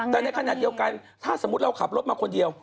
แต่ในขณะเดียวกันถ้าสมมุติเราขับรถมาคนเดียว